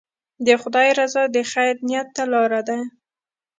د خدای رضا د خیر نیت له لارې ده.